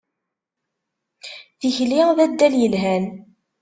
Tikli d addal yelhan.